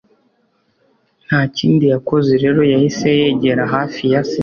ntakindi yakoze rero, yahise yegera hafi yase